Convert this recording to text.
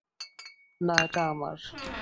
না এটা আমার।